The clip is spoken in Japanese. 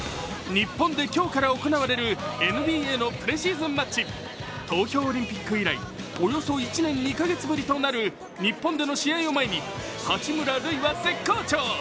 日本で今日から行われるＭＢＡのプレシーズンマッチ東京オリンピック以来およそ１年２か月ぶりとなる日本での試合を前に八村塁は絶好調。